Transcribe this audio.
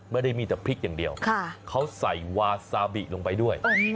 ไม่ได้มีแต่พริกอย่างเดียวเขาใส่วาซาบิลงไปด้วย